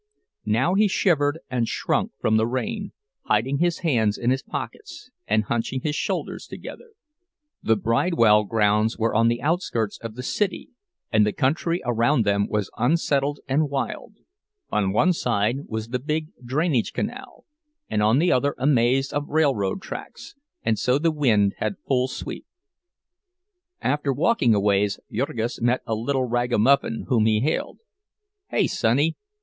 Now he shivered and shrunk from the rain, hiding his hands in his pockets and hunching his shoulders together. The Bridewell grounds were on the outskirts of the city and the country around them was unsettled and wild—on one side was the big drainage canal, and on the other a maze of railroad tracks, and so the wind had full sweep. After walking a ways, Jurgis met a little ragamuffin whom he hailed: "Hey, sonny!"